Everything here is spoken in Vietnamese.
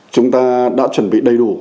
chúng ta đã chuẩn bị đầy đủ